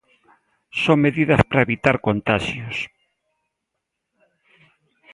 Son medidas para evitar contaxios.